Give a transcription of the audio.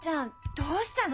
どうしたの？